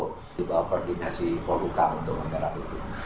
dibawa koordinasi polhukam untuk menggerak itu